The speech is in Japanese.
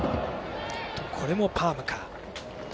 これもパームか。